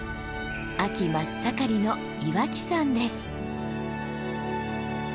秋真っ盛りの岩木山です。